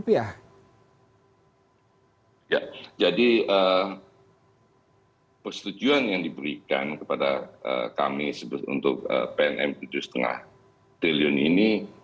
ya jadi persetujuan yang diberikan kepada kami untuk pnm tujuh lima triliun ini